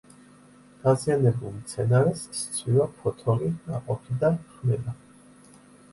დაზიანებულ მცენარეს სცვივა ფოთოლი, ნაყოფი და ხმება.